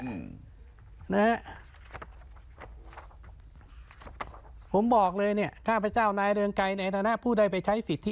อืมนะฮะผมบอกเลยเนี้ยข้าพเจ้านายเรืองไกรในฐานะผู้ได้ไปใช้สิทธิ